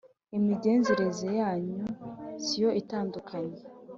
Imigenzereze yanyu si yo idatunganye?